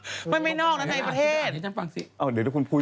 ก็ไม่ได้ไปนอกนะใช่ไหมประเทศมาพูดล่ะปานอ่ะได้ชั้นฟังสิ